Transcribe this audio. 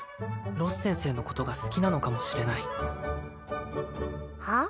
ロス先生のことが好きなのかもしれないはあ？